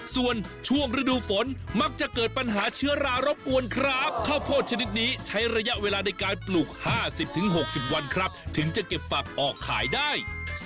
ส่วนช่วงฤดูฝนมักจะเกิดปัญหาเชื้อรารบกวนครับข้าวโพดชนิดนี้ใช้ระยะเวลาในการปลูก๕๐๖๐วันครับถึงจะเก็บฝักออกขายได้